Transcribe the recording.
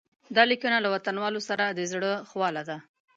دا لیکنه له وطنوالو سره د زړه خواله ده.